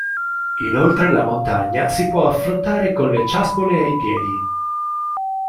Inoltre la montagna si può affrontare con le ciaspole ai piedi.